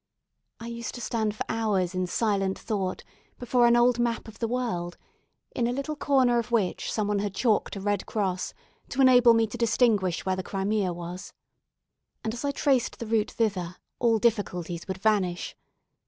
I used to stand for hours in silent thought before an old map of the world, in a little corner of which some one had chalked a red cross, to enable me to distinguish where the Crimea was; and as I traced the route thither, all difficulties would vanish.